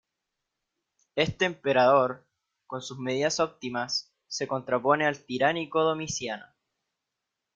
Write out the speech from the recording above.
Este emperador, con sus medidas óptimas, se contrapone al tiránico Domiciano.